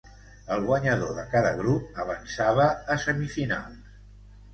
El guanyador de cada grup avançava a semifinals.